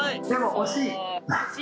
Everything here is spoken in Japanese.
惜しい？